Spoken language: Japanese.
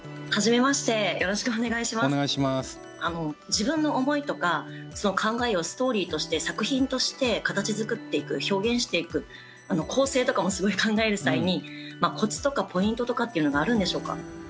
自分の思いとか考えをストーリーとして作品として形づくっていく表現していく構成とかもすごい考える際にコツとかポイントとかっていうのがあるんでしょうか？